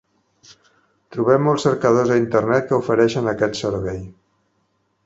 Trobem molts cercadors a internet que ofereixen aquest servei.